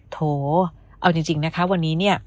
โถเอาจริงนะคะวันนี้